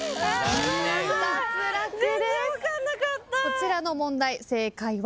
こちらの問題正解は。